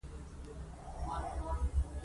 خو ومې نه شوای کړای چې هلته ولاړ شم.